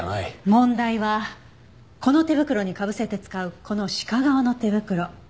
問題はこの手袋にかぶせて使うこの鹿革の手袋。